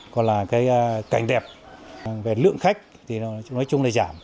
còn là cái cảnh đẹp về lượng khách thì nói chung là giảm